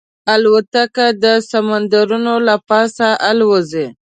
الوتکه د سمندرونو له پاسه الوزي.